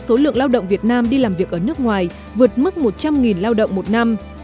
số lượng lao động việt nam đi làm việc ở nước ngoài vượt mức một trăm linh lao động một năm